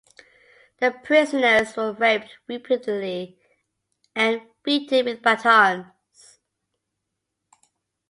The prisoners were raped repeatedly and beaten with batons.